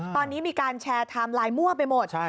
ตอนนี้มีการแชร์ไทม์ไลน์มั่วไปหมด